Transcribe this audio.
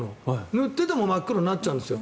塗っていても黒になっちゃうんですよ。